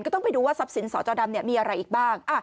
ก็ต้องไปดูว่าทรัพย์สินสอดจอดำเนี่ยมีอะไรอีกบ้าง